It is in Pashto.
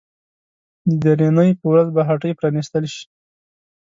د درېنۍ په ورځ به هټۍ پرانيستل شي.